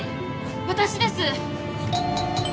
私です！